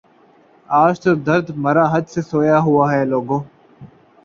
آج تو درد مرا حد سے سوا ہے لوگو